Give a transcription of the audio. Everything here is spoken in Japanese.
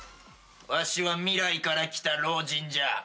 わしは未来から来た老人じゃ。